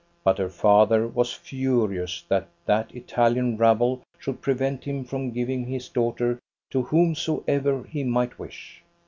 But her father was furious that that Italian rabble should prevent him from giving his daughter to whomsoever he might wish.